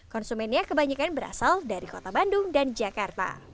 konsumennya kebanyakan berasal dari kota bandung dan jakarta